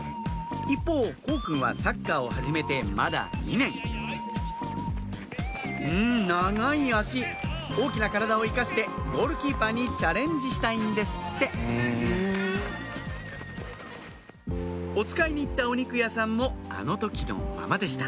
一方幸くんはサッカーを始めてまだ２年うん長い脚大きな体を生かしてゴールキーパーにチャレンジしたいんですっておつかいに行ったお肉屋さんもあの時のままでした